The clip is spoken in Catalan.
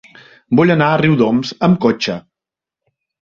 Vull anar a Riudoms amb cotxe.